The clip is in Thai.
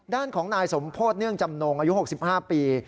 ด้านของนายสมโพธิเนื่องจำนงอายุ๖๕ปี